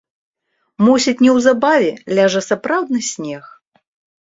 Мусіць, неўзабаве ляжа сапраўдны снег.